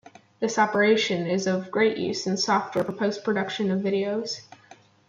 This operation is of great use in software for post-production of videos.